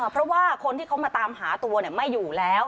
เพราะว่าคนที่เขามาตามหาตัวไม่อยู่แล้ว